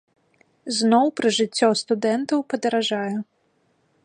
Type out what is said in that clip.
Зноў пражыццё студэнтаў падаражае.